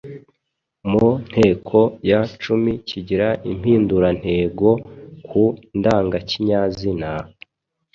Mu nteko ya cumi kigira impindurantego ku ndangakinyazina,